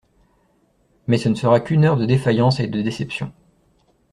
Mais ce ne sera qu'une heure de défaillance et de déception.